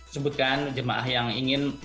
sebutkan jemaah yang ingin